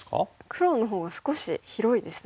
黒のほうが少し広いですね。